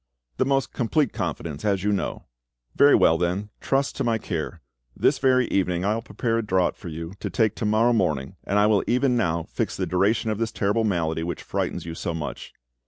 "The most complete confidence, as you know." "Very well, then: trust to my care. This very evening I will prepare a draught for you to take to morrow morning, and I will even now fix the duration of this terrible malady which frightens you so much.